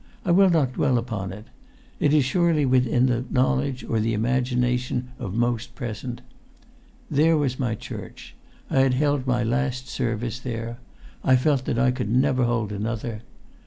I will not dwell upon it; it is surely within the knowledge or the imagination of most present. ... There was my church. I had held my last service there. I felt that I could never hold another.